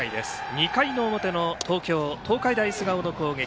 ２回の表の東京・東海大菅生の攻撃。